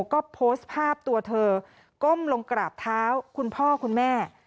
ก็โพสต์ภาพตัวเธอก้มลงกราบเท้าคุณพ่อคุณแม่